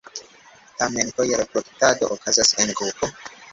Tamen foje reproduktado okazas en grupo.